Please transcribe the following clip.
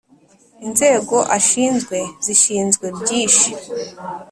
inzego ashinzwe zishinzwe byishi.